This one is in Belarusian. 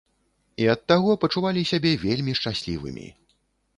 І ад таго пачувалі сябе вельмі шчаслівымі.